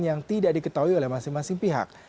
yang tidak diketahui oleh masing masing pihak